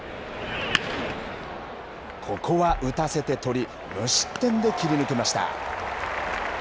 ここは打たせて取り、無失点で切り抜けました。